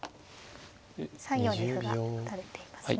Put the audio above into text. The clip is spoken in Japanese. ３四に歩が垂れていますね。